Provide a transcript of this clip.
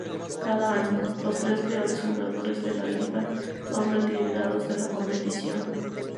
Cada año, los tres peores jugadores de la liga son retirados de la competición.